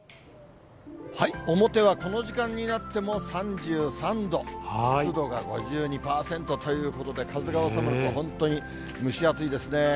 表はこの時間になっても３３度、湿度が５２％ということで、風が収まると本当に蒸し暑いですね。